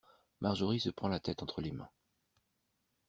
Marjorie se prend la tête entre les mains.